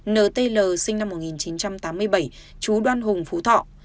nt sinh năm một nghìn chín trăm tám mươi bảy chú đoan hùng phú thọ